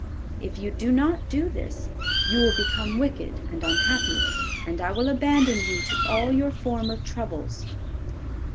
If you do not do this, you will become wicked and unhappy, and I will abandon you to all your former troubles.